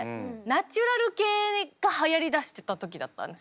ナチュラル系がはやりだしてた時だったんですよ。